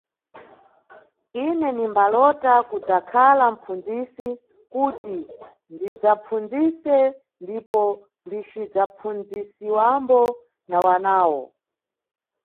Ine nimbalota kudzakhala mʼpfundzisi kuti ndidzapfundzise ndipo ndicidzapfundzisiwambo na wanawo.